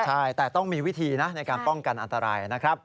ใช่แต่ต้องมีวิธีนะในการป้องกันอันตรายนะครับ